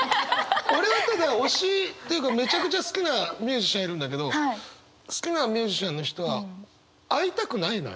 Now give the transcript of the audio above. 俺はただ推しというかめちゃくちゃ好きなミュージシャンいるんだけど好きなミュージシャンの人はあ。